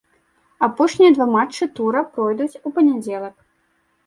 Апошнія два матчы тура пройдуць у панядзелак.